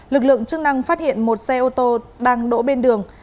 lực lượng chức năng phát hiện một xe ô tô đang đỗ bên đường